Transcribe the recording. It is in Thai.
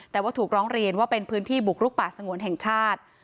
แต่ว่าถูกร้องเรียนว่าเป็นพื้นที่บุกลุกป่าสงวนแห่งชาติ